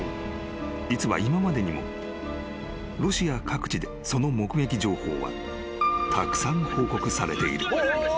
［実は今までにもロシア各地でその目撃情報はたくさん報告されている］